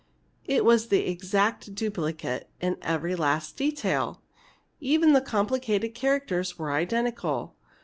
It was the exact duplicate in every last detail! Even the complicated characters were identical!